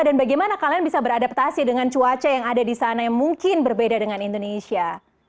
dan bagaimana kalian bisa beradaptasi dengan cuaca yang ada di sana yang mungkin berbeda dengan indonesia